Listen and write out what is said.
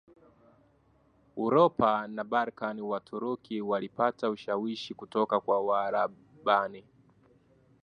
Uropa na Balkan Waturuki walipata ushawishi kutoka kwa Waalbania